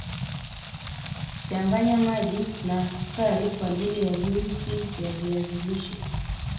changanya maji n sukari kwaajili ya juisi yaviazi lishe